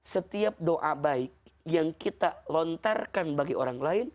setiap doa baik yang kita lontarkan bagi orang lain